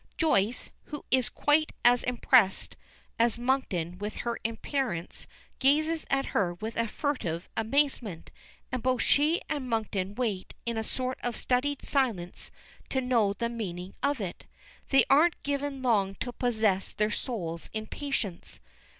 Joyce, who is quite as impressed as Monkton with her appearance, gazes at her with a furtive amazement, and both she and Monkton wait in a sort of studied silence to know the meaning of it. They aren't given long to possess their souls in patience.